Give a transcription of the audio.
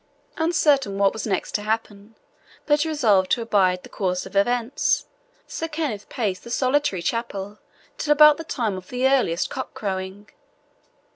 Uncertain what was next to happen, but resolved to abide the course of events, Sir Kenneth paced the solitary chapel till about the time of the earliest cock crowing.